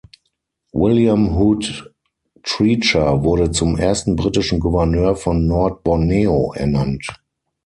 William Hood Treacher wurde zum ersten britischen Gouverneur von Nord-Borneo ernannt.